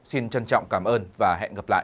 xin trân trọng cảm ơn và hẹn gặp lại